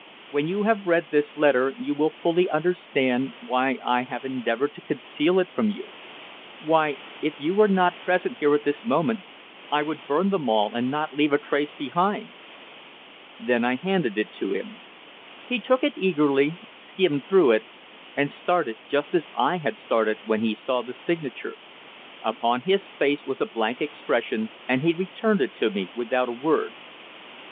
"When you have read this letter you will fully understand why I have endeavoured to conceal it from you; why, if you were not present here at this moment, I would burn them all and not leave a trace behind." Then I handed it to him. He took it eagerly, skimmed it through, and started just as I had started when he saw the signature. Upon his face was a blank expression, and he returned it to me without a word.